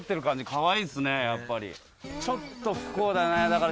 ちょっと不幸だねだから。